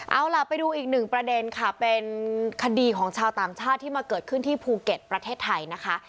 เอาล่ะไปดูอีกหนึ่งประเด็นค่ะเป็นคดีของชาวต่างชาติที่มาเกิดขึ้นที่ภูเก็ตประเทศไทยนะคะ